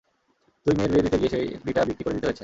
দুই মেয়ের বিয়ে দিতে গিয়ে সেই ভিটা বিক্রি করে দিতে হয়েছে।